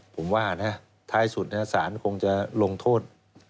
ผมว่านะท้ายสุดสารคงจะลงโทษ